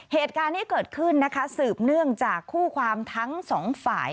เหตุการณ์นี้เกิดขึ้นนะคะสืบเนื่องจากคู่ความทั้งสองฝ่าย